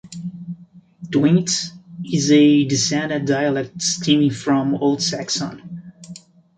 Tweants is a descendant dialect stemming from Old Saxon.